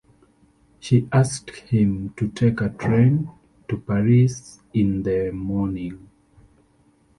She asked him to take a train to Paris in the morning.